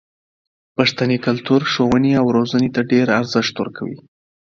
پښتني کلتور ښوونې او روزنې ته ډېر ارزښت ورکوي.